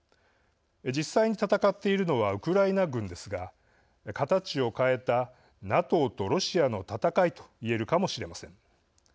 実際に戦っているのはウクライナ軍ですが形を変えたＮＡＴＯとロシアの戦いと言えるかもしれません。